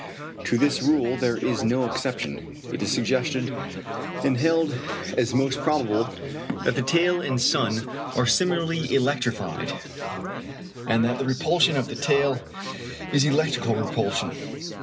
To this rule there is no exception. It is suggested, and held as most probable, that the tail and sun are similarly electrified, and that the repulsion of the tail is electrical repulsion.